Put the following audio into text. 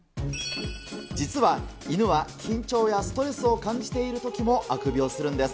実は、犬は緊張やストレスを感じているときもあくびをするんです。